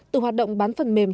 từ hoạt động bán phần mềm